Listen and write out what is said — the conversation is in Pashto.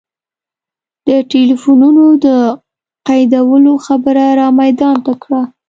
د ټلفونونو د قیدولو خبره را میدان ته کړه.